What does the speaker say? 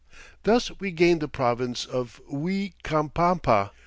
Thus we gained the province of Uilcapampa."